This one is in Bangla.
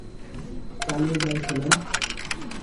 চালিয়ে যাও, সোনা।